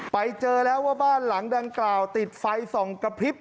ไปเจอแล้วว่าบ้านหลังดังกล่าวติดไฟส่องกระพริบ